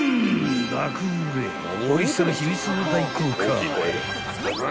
爆売れおいしさの秘密を大公開］